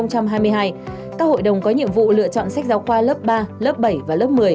các hội đồng có nhiệm vụ lựa chọn sách giáo khoa lớp ba lớp bảy và lớp một mươi